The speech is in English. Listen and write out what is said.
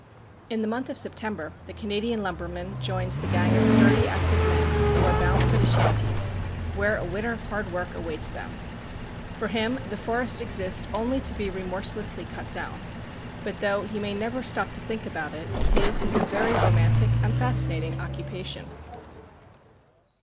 In the month of September the Canadian lumberman joins the gang of sturdy, active men who are bound for the "shanties," where a winter of hard work awaits them. For him the forests exist only to be remorselessly cut down; but though he may never stop to think about it, his is a very romantic and fascinating occupation.